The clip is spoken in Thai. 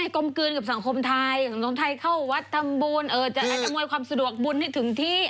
กลมกืนกับสังคมไทยอยากความทรงค์ของไทยเข้าวัดทำบุญนำอมโนยความสะดวกบุญให้ถึงที่